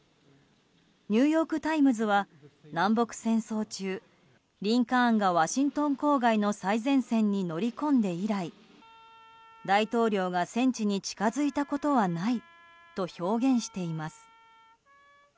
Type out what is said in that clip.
ニューヨーク・タイムズは南北戦争中、リンカーンがワシントン郊外の最前線に乗り込んで以来大統領が戦地に近づいたことはないと表現しています。